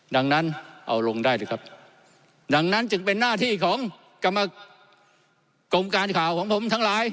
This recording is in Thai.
ดังนั้นเอาลงได้สิครับดังนั้นจึงเป็นหน้าที่ของกรรมกรมการข่าวของผมทั้งหลาย